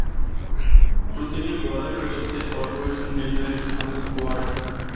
প্রতিটি বরোয় রয়েছে কর্পোরেশন নির্ধারিত সংখ্যক ওয়ার্ড।